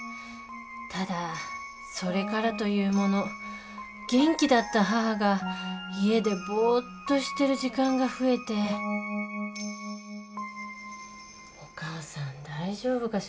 ただそれからというもの元気だった母が家でぼっとしてる時間が増えてお母さん大丈夫かしら。